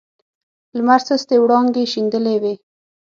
لمر سستې وړانګې شیندلې وې.